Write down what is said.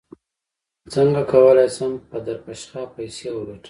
څنګه کولی شم په درپشخه پیسې وګټم